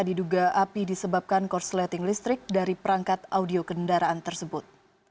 diduga api disebabkan korsleting listrik dari perangkat audio kendaraan tersebut